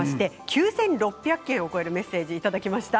９６００件を超えるメッセージいただきました。